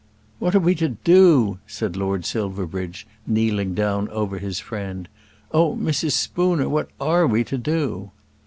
"What are we to do?" said Lord Silverbridge, kneeling down over his friend. "Oh, Mrs. Spooner, what are we to do?"